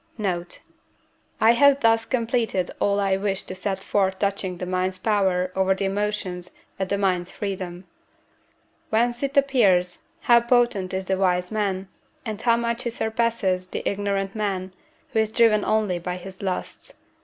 Note. I have thus completed all I wished to set forth touching the mind's power over the emotions and the mind's freedom. Whence it appears, how potent is the wise man, and how much he surpasses the ignorant man, who is driven only by his lusts.